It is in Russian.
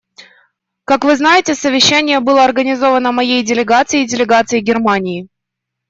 Как вы знаете, совещание было организовано моей делегацией и делегацией Германии.